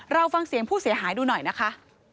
ฟังเสียงผู้เสียหายดูหน่อยนะคะ